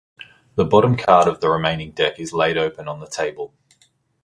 The bottom card of the remaining deck is laid open on the table.